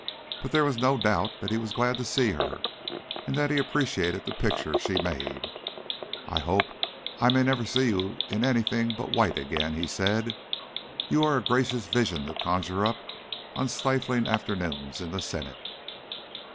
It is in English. But there was no doubt that he was glad to see her and that he appreciated the picture she made. "I hope I never may see you in anything but white again," he said. "You are a gracious vision to conjure up on stifling afternoons in the Senate."